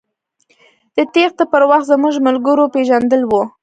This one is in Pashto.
د تېښتې په وخت زموږ ملګرو پېژندلى و.